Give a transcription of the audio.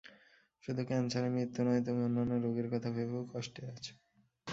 শুধু ক্যানসারে মৃত্যু নয়, তুমি অন্যান্য রোগের কথা ভেবেও কষ্টে আছ।